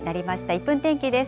１分天気です。